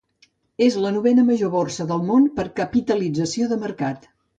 És la novena major borsa del món per capitalització de mercat.